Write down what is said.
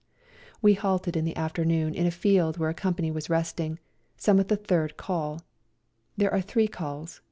We halted in the afternoon in a field where a company was resting, some of the Third Call. There are three calls.